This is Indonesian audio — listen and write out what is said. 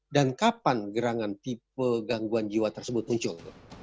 dan kapan gerangan tipe gangguan jiwa tersebut muncul